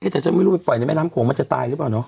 แต่ฉันไม่รู้ไปปล่อยในแม่น้ำโขงมันจะตายหรือเปล่าเนาะ